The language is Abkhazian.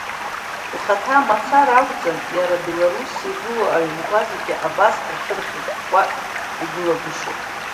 Ухҭа мацара акәӡам, иара Белоруссиа игылоу аҩнқәа зегьы абас ашәы рхьыкәкәа игылагәышьоуп.